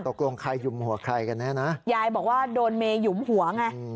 ตกลงใครหยุมหัวใครกันแน่นะยายบอกว่าโดนเมหยุมหัวไง